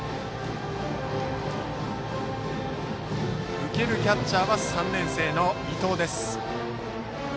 受けるキャッチャーは３年生の伊東。